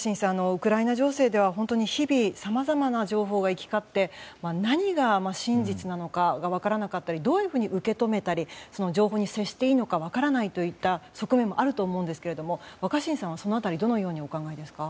ウクライナ情勢では日々さまざまな情報が行き交って何が真実なのかが分からなかったりどういうふうに受け止めたり情報に接していいか分からないといった側面もあると思うんですけど若新さんは、その辺りどのようにお考えですか？